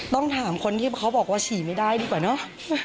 ต้องถามคนที่เขาบอกว่าฉี่ไม่ได้ดีกว่าเนอะ